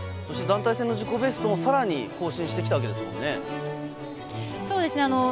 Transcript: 団体戦の自己ベストもさらに更新してきたわけですよね。